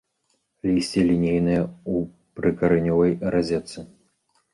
Лісце лінейнае, у прыкаранёвай разетцы.